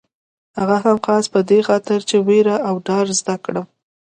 هغه هم خاص په دې خاطر چې وېره او ډار زده کړم.